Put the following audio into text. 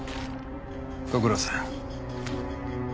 ご苦労さん。